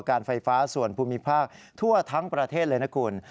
การไฟฟ้าส่วนภูมิภาคทั่วทั้งประเทศเลยนะคุณ